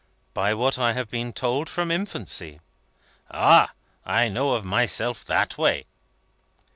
"By what I have been told from infancy." "Ah! I know of myself that way."